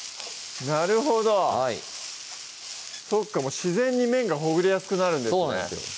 なるほどはいそっか自然に麺がほぐれやすくなるんですね